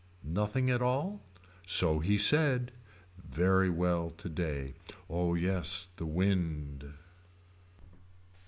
Nothing at all. So he said. Very well today. Oh yes the wind.